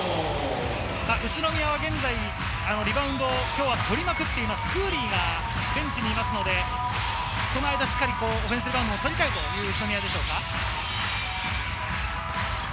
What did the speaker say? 宇都宮は現在、リバウンドを今日は取りまくってますクーリーがベンチにいますので、その間、しっかりとオフェンスリバウンドを取りたいという宇都宮でしょうか。